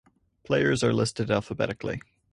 Players are listed alphabetically.